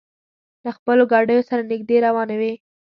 له خپلو ګاډیو سره نږدې روانې وې.